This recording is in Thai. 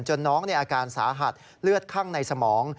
น้องในอาการสาหัสเลือดคั่งในสมอง